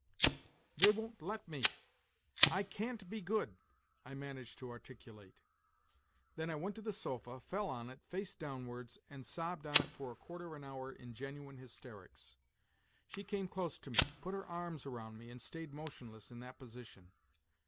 " They won't let me ... I can't be good !" I managed to articulate ; then I went to the sofa, fell on it face downwards, and sobbed on it for a quarter of an hour in genuine hysterics. She came close to me, put her arms round me and stayed motionless in that position.